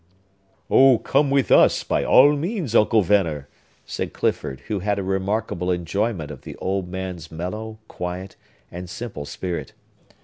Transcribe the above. "Oh, come with us, by all means, Uncle Venner!" said Clifford, who had a remarkable enjoyment of the old man's mellow, quiet, and simple spirit.